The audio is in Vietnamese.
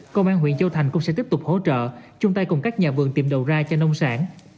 công an huyện châu thành cũng sẽ tiếp tục hỗ trợ chung tay cùng các nhà vườn tìm đầu ra cho nông sản